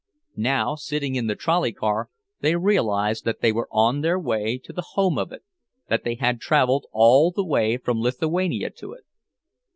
Now, sitting in the trolley car, they realized that they were on their way to the home of it—that they had traveled all the way from Lithuania to it.